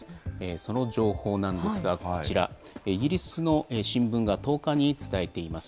その情報なんですが、こちら、イギリスの新聞が１０日に伝えています。